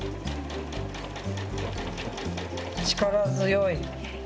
力強い。